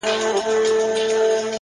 جنت سجده کي دی جنت په دې دنيا کي نسته!!